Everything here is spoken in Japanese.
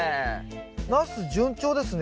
ナス順調ですね。